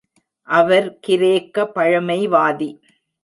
அவர் கிரேக்க பழமைவாதி.